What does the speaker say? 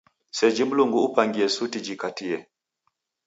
Seji Mlungu upangie suti jikatie.